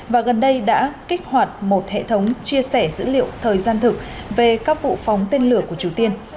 và gần đây đã kích hoạt một hệ thống chia sẻ dữ liệu thời gian thực về các vụ phóng tên lửa của triều tiên